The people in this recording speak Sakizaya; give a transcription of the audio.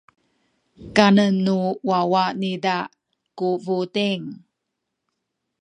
kanen nu wawa niza ku buting.